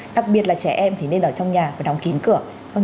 đặc biệt là trẻ em thì nên ở trong nhà và đóng kín cửa